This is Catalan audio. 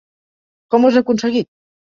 Com ho has aconseguit?